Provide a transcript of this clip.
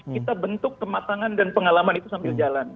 kita bentuk kematangan dan pengalaman itu sambil jalan